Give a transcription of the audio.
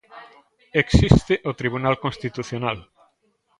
Existe o Tribunal Constitucional.